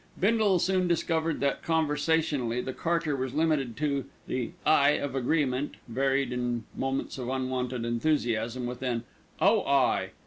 Bindle soon discovered that conversationally the carter was limited to the "Aye" of agreement, varied in moments of unwonted enthusiasm with an "Oh, aye!"